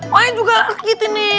wah ya juga sakit ini